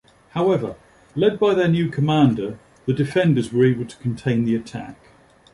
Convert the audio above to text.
However, led by their new commander, the defenders were able to contain the attack.